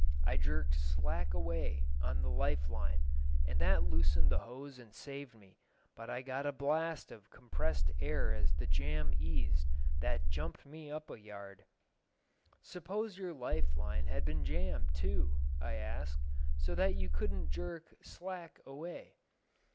I jerked 'slack away' on the life line, and that loosed the hose and saved me, but I got a blast of compressed air as the jam eased that jumped me up a yard." "Suppose your life line had been jammed, too," I asked, "so that you couldn't jerk 'slack away'?"